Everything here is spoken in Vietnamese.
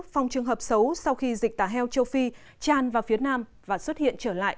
phòng trường hợp xấu sau khi dịch tả heo châu phi tràn vào phía nam và xuất hiện trở lại